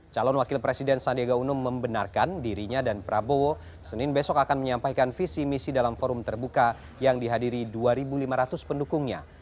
calon wakil presiden sandiaga uno membenarkan dirinya dan prabowo senin besok akan menyampaikan visi misi dalam forum terbuka yang dihadiri dua lima ratus pendukungnya